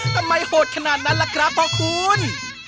ทำไมโหดขนาดนั้นล่ะครับขอบคุณ